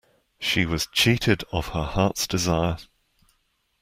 She was cheated of her heart's desire.